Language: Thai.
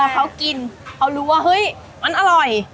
เขากินเขารู้ว่าเฮ้ยมันอร่อย